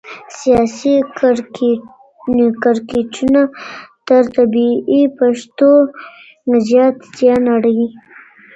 سياسي کړکېچونه تر طبيعي پېښو زيات زيان اړوي.